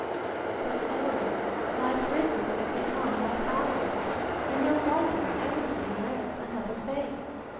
But, oh! my prison is become my palace; and no wonder every thing wears another face!